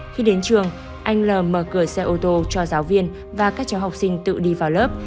khi đến trường anh l mở cửa xe ô tô cho giáo viên và các cháu học sinh tự đi vào lớp